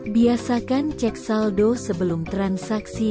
biasakan cek saldo sebelum transaksi